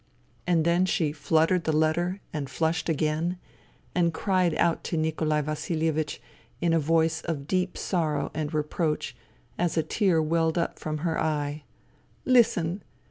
And then she fluttered the letter and flushed again, and cried out to Nikolai Vasilievich in a voice of deep sorrow and reproach, as a tear welled up from her eye :" Listen.